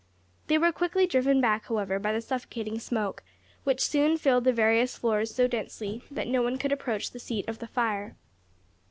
They were quickly driven back, however, by the suffocating smoke, which soon filled the various floors so densely that no one could approach the seat of the fire.